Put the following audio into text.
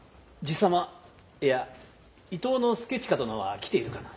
爺様いや伊東祐親殿は来ているかな？